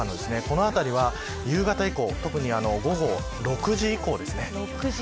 この辺りは夕方以降特に午後６時以降ですね